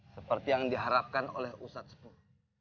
seperti yang diharapkan oleh ustadz sepuh